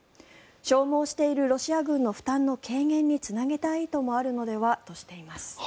消耗しているロシア軍の負担の軽減につなげたい意図もあるのではとしています。